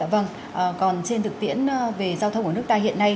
vâng còn trên thực tiễn về giao thông ở nước ta hiện nay